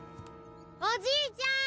おじいちゃん！